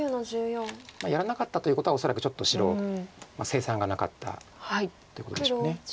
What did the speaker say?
やらなかったということは恐らくちょっと白成算がなかったということでしょう。